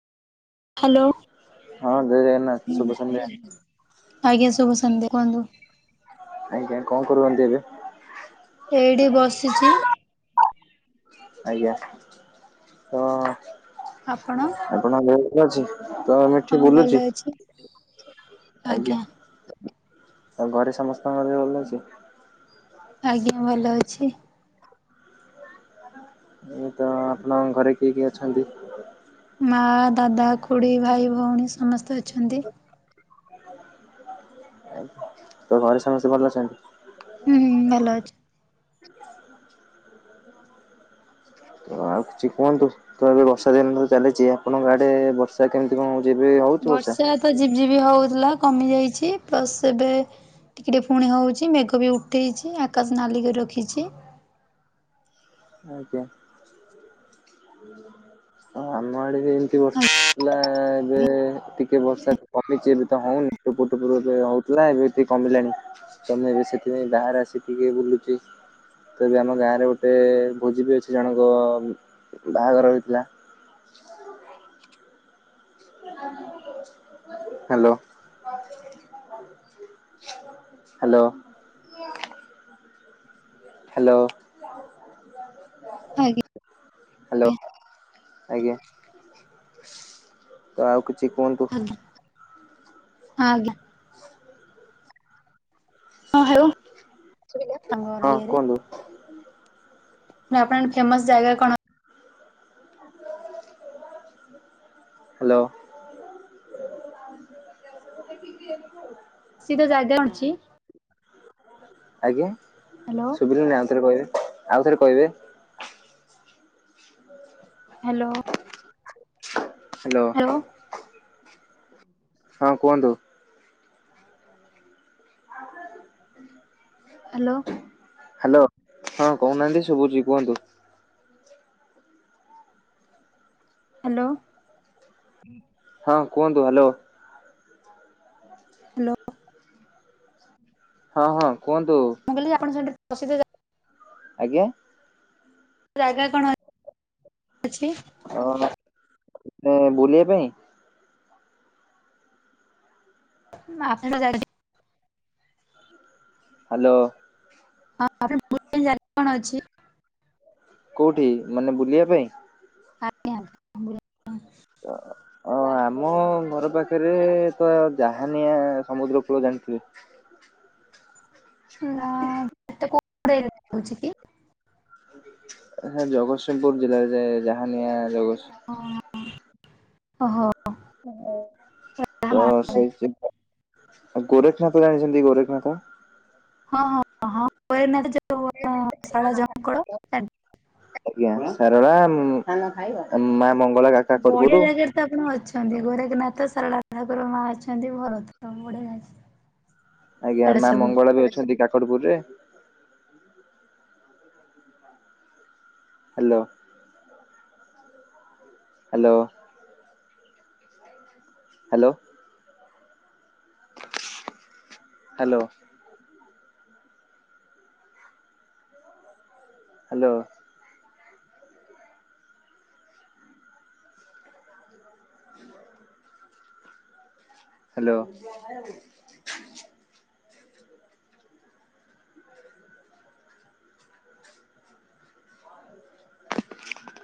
Hello ହଁ ଜୟ ଜଗନ୍ନାଥ ଶୁଭ ସନ୍ଧ୍ୟା ଆଜ୍ଞା ଶୁଭୁ ଶନ୍ତି କୁହନ୍ତୁ। ଆଜ୍ଞା କଣ କରୁନ୍ତି ଏବେ ଏଇଠି ବସିଛି। ଆଜ୍ଞା ତ ଆପଣ? ଆପଣ ବୋ ଅଛି ତ ଆ ମେଠି ହଁ ଭଲ ବୁଲୁଚି ଅଛି ଆଜ୍ଞା। ଆଉ ଘରେ ସମସ୍ତଙ୍କର ଭଲ ଅଛି। ଆଜ୍ଞା ଭଲ ଅଛି। ଏ ତ ଆପଣଙ୍କ ଘରେ କିଏ କିଏ ଅଛନ୍ତି। ମା ଦାଦା ଖୁଡ଼ି ଭାଇ ଭଉଣୀ ସମସ୍ତେ ଅଛନ୍ତି। ତ ଘରେ ସମସ୍ତେ ଭଲ ଅଛନ୍ତି? ହୁଁ ହୁଁ ଭଲ ଅଛନ୍ତି। ଆଉ କିଛି କୁହନ୍ତୁ ତ ଏବେ ବର୍ଷା ଦିନ ତ ଚାଲିଛି ଆପଣଙ୍କ ଆଡେ ବର୍ଷା ସାର୍ କେମିତି କଣ ଯିବି ହେଉଛି ବର୍ଷା। ତ ଜିବ୍ ଜିିବି ହେଉଥିଲା କମିଯାଇଛି ପ୍ଲସ୍ ଏବେ ଟିକିଏ ଟେ ପୁଣି ହେଉଛି ମେଘ ବି ଉଠେଇଛି ଆକାଶ ନାଲିିକରି ରଖିଛି। ଆଜ୍ଞା। ହ ଆମ ଆଡ଼େ ଏମିତି ବର୍ଷାଥିଲା ଏବେ ଟିକେ ବର୍ଷା କମିଛି ଏବେ ତ ହଉନି ଟୁ ଏବେ ହଉଥିଲା ଏବେ କମିଲାଣି। ତମେ ଏବେ ସେଥିପାଇଁ ବାହାରେ ଆସି ଟିକେ ବୁଲୁଚି ତ ଏବେ ଆମ ଗାଁରେ ଗୋଟେ ଭୋଜି ବି ଅଛି ଜଣଙ୍କ ବାହାଘର ହୋଇଥିଲା। ହାଲୋ। ହାଲୋ। ହାଲୋ। ଆଜ୍ଞା। ହାଲୋ ଆଜ୍ଞା। ତ ଆଉ କିଛି କୁହନ୍ତୁ। ଆଜ୍ଞା ଆଜ୍ଞା। ହଁ ହଉ ଆମ ହଁ ଏରିଆରେ କୁହନ୍ତୁ। ଆପଣଙ୍କ ଫେମସ ଜାଗା କଣ? ହାଲୋ। ପ୍ରସିଦ୍ଧ ଜାଗା କଣ ଅଛି? ଆଜ୍ଞା ହ୍ୟାଲୋ ଶୁଭିଲାନି ଆଉଥରେ କହିବେ ଆଉ ଥରେ କହିବେ? ହାଲୋ। ହାଲୋ। ହଁ କୁହନ୍ତୁ। [inaudible] ହାଲୋ। ହାଲୋ ହଁ କହୁନାହାନ୍ତି ଶୁଭୁଛି କୁହନ୍ତୁ। ହାଲୋ। ହଁ କୁହନ୍ତୁ ହାଲୋ। ହାଲୋ। ହଁ ହଁ କୁହନ୍ତୁ। ମୁଁ କହିଲି ଆପଣ ସେଠି ପ୍ରସିଦ୍ଧ ଜା ଆଜ୍ଞା? ଜାଗା କଣ ଅଛି? ଓ ହୋ କଣ ବୁଲିବା ପାଇଁ? [unintelligible] ଯାଇଛି। ହାଲୋ। ହଁ ଆପଣ ବୁଲି ଜାଗା କଣ ଅଛି? କୋଉଠି ମାନେ ବୁଲିବା ପାଇଁ? ଆଜ୍ଞା ବୁଲିବା ପାଇଁ। ଅ। ଅ-ଆମ ଘର ପାଖରେ ତ ଜାହାନିଆ ସମୁଦ୍ର କୂଳ ଜାଣିଥିବେ? [inaudible] ହେଟା କୋଉ [unintelligible] ଯାଉଛି କି? ହେ ଜଗତସିଂହପୁର ଜିଲ୍ଲାରେ ଯାଏ ଜାହାନିଆ ଜଗତସିଂ ଓ-ଓହୋ। ତ ସେ ଗୋରେଖନାଥ ଜାଣିଚନ୍ତି ଗୋରେଖନାଥ? ହଁ-ହଁ-ହଁ ଗୋରେଖ ନାଥ ଆଜ୍ଞା ଶାରଳା ମା ମଙ୍ଗଳା ବଢିଆ କା-କାକଟପୁରୁ। ଜାଗାରେ ଆପଣ ଅଛନ୍ତି ଗୋରେଖନାଥ ସାରଳା ଠାକୁର ମା ଅଛନ୍ତି ଭରତର ବଡ ଆଜ୍ଞା ମା ମଙ୍ଗଳା ବି ଅଛନ୍ତି କାକଟପୁର ରେ। Hello. Hello. Hello. Hello. Hello. Hello.